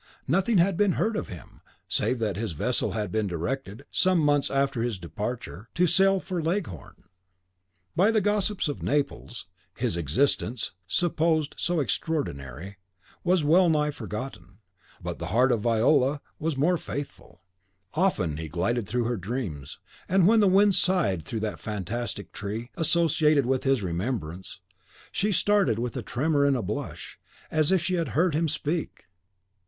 Nothing had been heard of him, save that his vessel had been directed, some months after his departure, to sail for Leghorn. By the gossips of Naples, his existence, supposed so extraordinary, was wellnigh forgotten; but the heart of Viola was more faithful. Often he glided through her dreams, and when the wind sighed through that fantastic tree, associated with his remembrance, she started with a tremor and a blush, as if she had heard him speak.